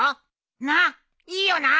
なあいいよな？